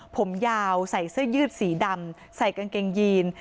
ผมยาวใส่เสื้อยืดสีดำใส่กางเกงยีน